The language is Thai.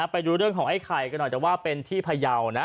ไปดูเรื่องของไอ้ไข่กันหน่อยแต่ว่าเป็นที่พยาวนะ